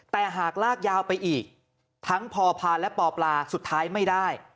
แต่หากลากยาวไปอีกทั้งพอพาและปปลาสุดท้ายไม่ได้